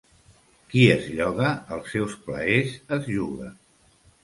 Qui es lloga, els seus plaers es juga.